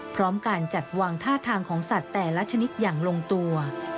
พร้อมการจัดวางท่าทางของสัตว์แต่ละชนิดอย่างลงตัว